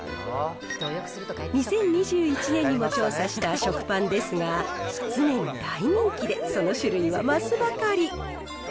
２０２１年にも調査した食パンですが、常に大人気で、その種類は増すばかり。